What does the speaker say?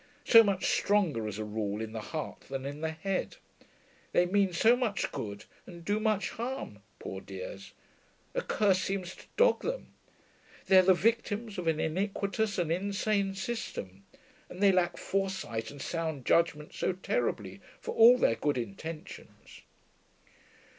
So much stronger, as a rule, in the heart than in the head. They mean so much good and do much harm, poor dears. A curse seems to dog them. They're the victims of an iniquitous and insane system; and they lack fore sight and sound judgment so terribly, for all their good intentions.'